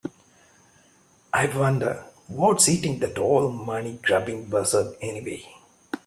I wonder what's eating that old money grubbing buzzard anyway?